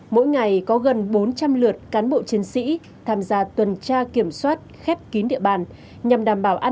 mỗi ngày có gần bốn trăm linh lượt cán bộ chiến sĩ tham gia tuần tra kiểm soát khép kín địa bàn